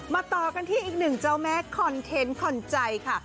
ต่อกันที่อีกหนึ่งเจ้าแม่คอนเทนต์คอนใจค่ะ